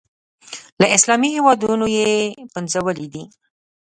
له اسلامي هېوادونو یې پنځولي دي.